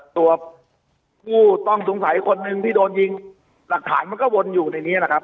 ตัวผู้ต้องสงสัยคนหนึ่งที่โดนยิงหลักฐานมันก็วนอยู่ในนี้นะครับ